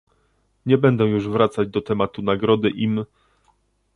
Nie będę już wracać do tematu Nagrody im